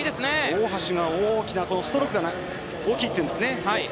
大橋、ストロークが大きいっていうんですね。